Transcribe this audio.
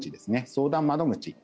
相談窓口。